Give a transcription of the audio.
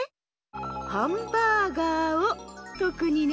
ハンバーガーをとくにね。